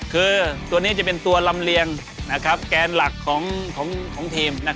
คือตัวนี้จะเป็นตัวลำเลียงแกนหลักของทีม